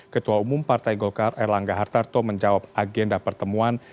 ketua umum partai golkar erlangga hartarto menjawab agenda pertemuan